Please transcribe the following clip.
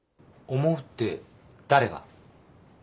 思うって誰が？